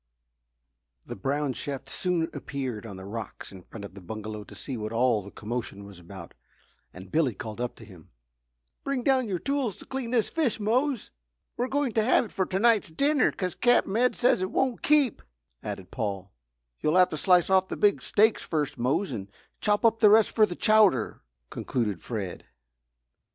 The brown chef soon appeared on the rocks in front of the bungalow to see what all the commotion was about and Billy called up to him: "Bring down your tools to clean this fish, Mose!" "We're going to have it for to night's dinner 'cause Captain Ed says it won't keep," added Paul. "You'll have to slice off the big steaks first, Mose, and chop up the rest for the chowder," concluded Fred.